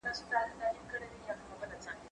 زه کتاب نه ليکم؟!؟!